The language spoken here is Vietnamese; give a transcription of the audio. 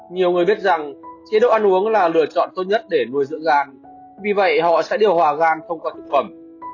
nhiều người biết rằng chế độ ăn uống là lựa chọn tốt nhất để nuôi dưỡng da vì vậy họ sẽ điều hòa gan thông qua thực phẩm